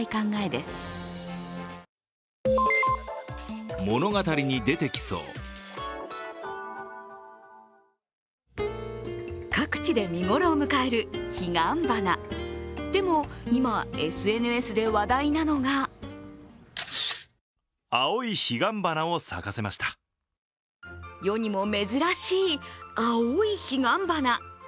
でも、今、ＳＮＳで話題なのが世にも珍しい青い彼岸花。